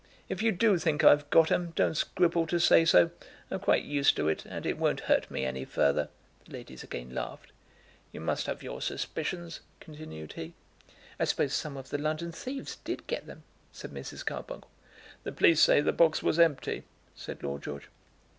If you do think I've got 'em, don't scruple to say so. I'm quite used to it, and it won't hurt me any further." The ladies again laughed. "You must have your suspicions," continued he. "I suppose some of the London thieves did get them," said Mrs. Carbuncle. "The police say the box was empty," said Lord George.